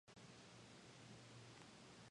The agency is located in Stockholm.